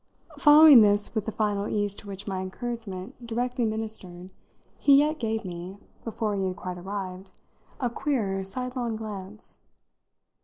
Following this with the final ease to which my encouragement directly ministered, he yet gave me, before he had quite arrived, a queer sidelong glance.